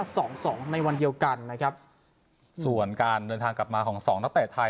สองสองในวันเดียวกันนะครับส่วนการเดินทางกลับมาของสองนักเตะไทย